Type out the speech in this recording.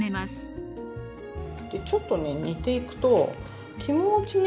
ちょっとね煮ていくと気持ちね